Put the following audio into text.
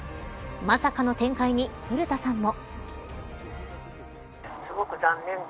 まさかの展開に、古田さんも。